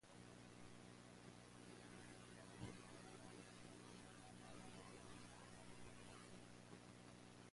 In addition, combinations of viral vector vaccines have been employed successfully.